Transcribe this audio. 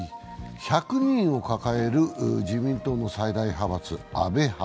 １００人を抱える自民党の最大派閥・安倍派。